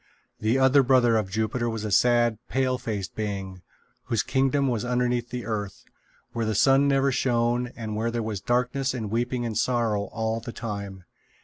The other brother of Jupiter was a sad pale faced being, whose kingdom was underneath the earth, where the sun never shone and where there was darkness and weeping and sorrow all the time.